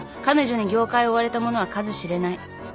彼女に業界を追われた者は数知れない。